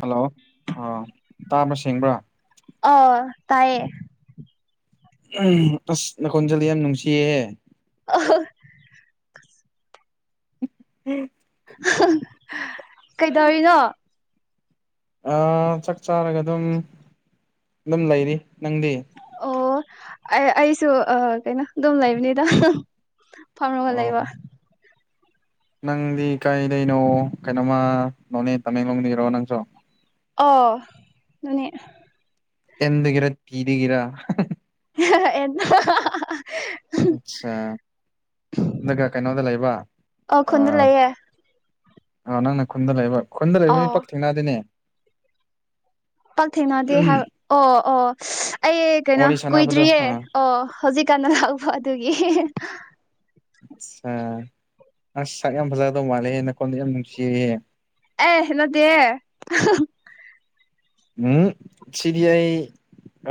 hello ꯑꯥ ꯇꯥꯕꯔ ꯁꯦꯡꯕ꯭ꯔ ꯑ ꯇꯥꯏꯌꯦ ꯎ ꯑꯁ ꯅꯥꯈꯣꯟꯖꯦꯜ ꯌꯥꯝ ꯅꯨꯡꯁꯤꯌꯦ ꯑ [unintelligible] ꯎꯝ [unintelligible] ꯀꯩꯗꯧꯔꯤꯅꯣ ꯆꯥꯛ ꯆꯥꯔꯒ ꯑꯗꯨꯝ ꯑꯗꯨꯝ ꯂꯩꯔꯤ ꯅꯪꯗꯤ ꯑꯣ ꯑꯩ ꯑꯩꯁꯨ ꯀꯩꯅꯣ ꯑꯗꯨꯝ ꯂꯩꯕꯅꯤꯗ ꯐꯝꯔꯒ ꯑꯣ ꯂꯩꯕ ꯅꯪꯗꯤ ꯀꯥꯏꯗꯩꯅꯣ ꯀꯩꯅꯣꯝꯃꯥ ꯅꯣꯅꯦ ꯇꯃꯦꯡꯂꯣꯡ ꯗꯩꯔꯣ ꯅꯪꯁꯨ ꯑꯧ ꯃꯥꯅꯦ ꯑꯦꯟ ꯗꯥꯒꯤꯔ ꯇꯤ ꯗꯥꯒꯤꯔꯥ ꯑꯦꯟ ꯑꯆꯥ ꯑꯗꯨꯒ ꯀꯩꯅꯣꯗ ꯂꯩꯕ ꯑꯣ ꯈꯨꯟꯗ ꯂꯩꯌꯦ ꯑ ꯅꯪꯅ ꯈꯨꯟꯗ ꯂꯩꯕ ꯈꯨꯟꯗ ꯂꯩꯕ ꯃꯤ ꯑꯣ ꯄꯥꯛ ꯊꯦꯡꯅꯗꯦꯅꯦ ꯄꯥꯛꯊꯦꯡꯅꯗꯦ ꯍꯥꯏ ꯑꯣ ꯑꯣ ꯑꯩ ꯀꯩꯅꯣ ꯋꯥꯔꯤ ꯁꯥꯟꯅꯕꯗꯣ ꯀꯨꯏꯗ꯭ꯔꯤꯌꯦ ꯑꯥ ꯑꯣ ꯍꯧꯖꯤꯛ ꯀꯩꯅꯣ ꯂꯥꯛꯄ ꯑꯗꯨꯒꯤ ꯑꯆꯥ ꯑꯁ ꯁꯛ ꯌꯥꯝ ꯐꯖꯒꯗꯧꯕ ꯃꯥꯜꯂꯦꯍꯦ ꯅꯈꯣꯜꯗꯣ ꯌꯥꯝ ꯅꯨꯡꯁꯤꯌꯦꯍꯦ ꯑꯦ ꯅꯠꯇꯤꯌꯦ ꯎꯝ ꯁꯤꯗꯤ ꯑꯩ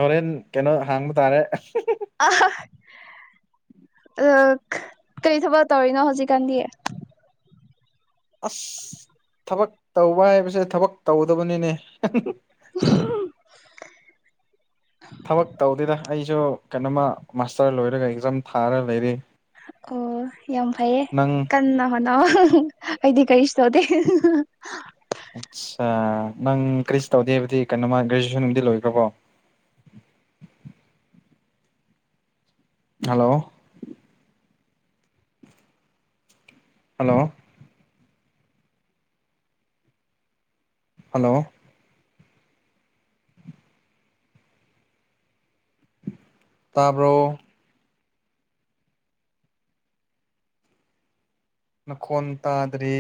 ꯍꯣꯔꯦꯟ ꯀꯩꯅꯣ ꯍꯥꯡꯕ ꯇꯥꯔꯦ ꯑ ꯀꯩ ꯊꯕꯛ ꯇꯧꯔꯤꯅꯣ ꯍꯧꯖꯤꯛꯀꯥꯟꯗꯤ ꯑꯁ ꯊꯕꯛ ꯇꯧꯕ ꯍꯥꯏꯕꯁꯦ ꯊꯕꯛ ꯇꯧꯗꯕꯅꯤꯅꯦ [unintelligible] ꯊꯕꯛ ꯇꯧꯗꯦꯗ ꯑꯩꯁꯨ ꯀꯩꯅꯣꯝꯃ ꯃꯥꯁꯇꯔ ꯂꯣꯏꯔꯒ ꯑꯦꯛꯖꯥꯝ ꯊꯥꯔꯒ ꯂꯩꯔꯤ ꯑꯣ ꯌꯥꯝ ꯐꯩꯌꯦ ꯅꯪ ꯀꯟꯅ ꯍꯣꯠꯅꯧ ꯑꯧ ꯑꯩꯗꯤ ꯀꯩꯁꯨ ꯇꯧꯗꯦ ꯑꯠꯆꯥ ꯅꯪ ꯀꯔꯤꯁꯨ ꯇꯧꯗꯦ ꯍꯥꯏꯕꯗꯤ ꯀꯩꯅꯣꯝꯃꯥ ꯒ꯭ꯔꯦꯖꯨꯋꯦꯁꯟ ꯒꯨꯝꯕꯗꯤ ꯂꯣꯏꯈ꯭ꯔꯕꯣ ꯑ [inaudible] ꯍꯜꯂꯣ ꯍꯜꯂꯣ ꯍꯜꯂꯣ ꯇꯥꯕꯔꯣ ꯅꯈꯣꯟ ꯇꯥꯗ꯭ꯔꯦ